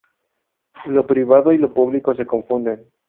Lo privado y lo público se confunden.